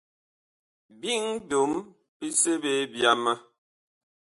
Biŋ byom bi seɓe byama.